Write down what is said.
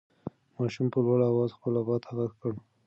ماشوم په لوړ اواز خپل ابا ته غږ کړ.